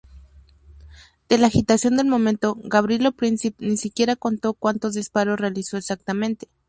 De la agitación del momento, Gavrilo Princip ni siquiera contó cuántos disparos realizó exactamente.